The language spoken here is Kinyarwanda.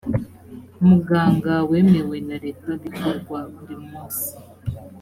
muganga wemewe na leta bikorwa buri munsi